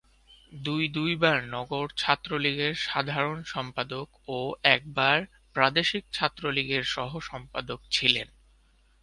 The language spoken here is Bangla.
দুই দুইবার নগর ছাত্রলীগের সাধারণ সম্পাদক ও একবার প্রাদেশিক ছাত্রলীগের সহ সম্পাদক ছিলেন।